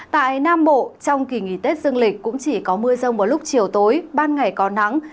tại nam bộ trong kỳ nghỉ tết dương lịch cũng chỉ có mưa rông vào lúc chiều tối ban ngày có nắng